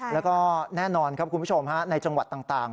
แล้วก็แน่นอนครับคุณผู้ชมในจังหวัดต่าง